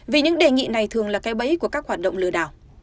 vì những đề nghị này thường là cây bấy của các hoạt động lừa đảo